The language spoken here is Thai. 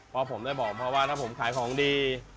เพราะผมได้บอกเพราะว่าถ้าผมขายของดี